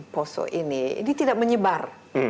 poso ini ini tidak menyebar